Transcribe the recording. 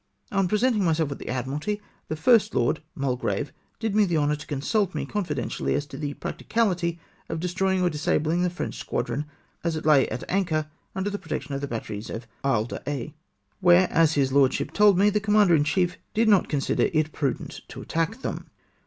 On presenting myself at the Admiralty, the First Lord (Mulgrave) did me the honour to consult me confidentially as to the practicability of destroying or disabling the French squadron as it lay at anchor under the protection of the batteries of Isle d'Aix, where, as his lordship told me, the commander in chief did not consider it prudent to attack them.